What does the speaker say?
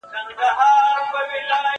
زه به سبا د يادښتونه بشپړ وکړم!.